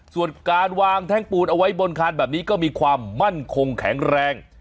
ส่วนการวางแท่งปูนเอาไว้บนคานแบบนี้ก็มีความมั่นคงแข็งแรง